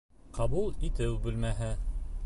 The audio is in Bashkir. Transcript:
Ҡабул итеү бүлмәһе.